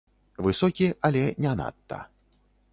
Высокі, але не надта.